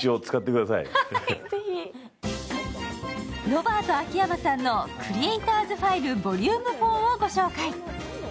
ロバート秋山さんの「クリエイターズ・ファイルｖｏｌ．０４」をご紹介。